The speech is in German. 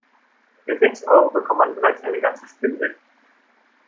Für sechs Euro bekommt man bereits eine ganze Spindel.